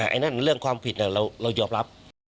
ไอ้นั่นเรื่องความผิดเรายอมรับ